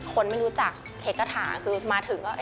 คนไม่รู้จักเค้กกระถาคือมาถึงก็